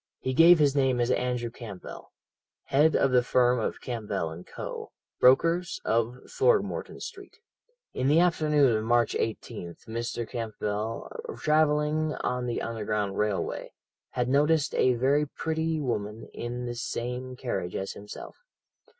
"He gave his name as Andrew Campbell, head of the firm of Campbell & Co., brokers, of Throgmorton Street. "In the afternoon of March 18th Mr. Campbell, travelling on the Underground Railway, had noticed a very pretty woman in the same carriage as himself.